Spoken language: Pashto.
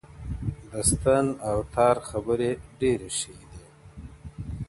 د ستن او تار خبري ډيري شې دي~